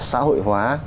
xã hội hóa